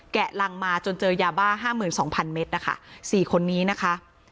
รังมาจนเจอยาบ้า๕๒๐๐เมตรนะคะ๔คนนี้นะคะ